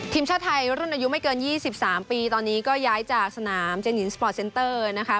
ทีมชาติไทยรุ่นอายุไม่เกิน๒๓ปีตอนนี้ก็ย้ายจากสนามเจนหญิงสปอร์ตเซนเตอร์นะคะ